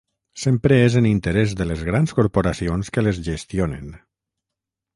Sempre és en interès de les grans corporacions que les gestionen.